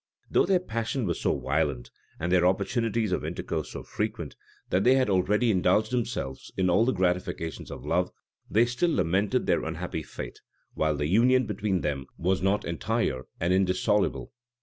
[] Though their passion was so violent, and their opportunities of intercourse so frequent, that they had already indulged themselves in all the gratifications of love, they still lamented their unhappy fate, while the union between them was not entire and indissoluble.